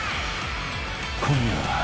［今夜は］